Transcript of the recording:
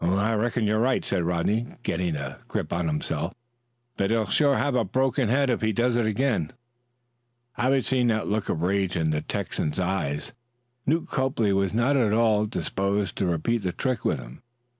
"I reckon you're right," said Rodney, getting a grip on himself; "but he'll sure have a broken head if he does it again." Having seen that look of rage in the Texan's eyes, Newt Copley was not at all disposed to repeat the trick with him.